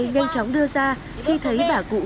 cảm ơn các bác